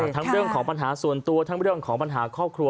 ทั้งเรื่องของปัญหาส่วนตัวทั้งเรื่องของปัญหาครอบครัว